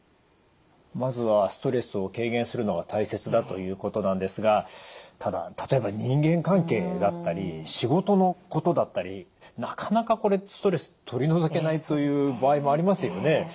まずはストレスを軽減するのが大切だということなんですがただ例えば人間関係だったり仕事のことだったりなかなかこれストレス取り除けないという場合もありますよね。